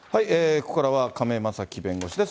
ここからは亀井正貴弁護士です。